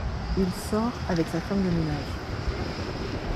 Il sort avec sa femme de ménage.